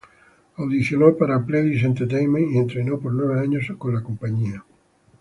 Audicionó para Pledis Entertainment y entrenó por nueve años con la compañía.